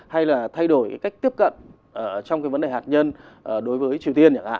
hay là thay đổi cái cách tiếp cận trong cái vấn đề hạt nhân đối với triều tiên